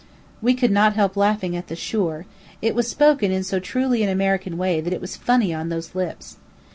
We could not help laughing at the "Sure!" It was spoken in so truly an American way that it was funny on those lips.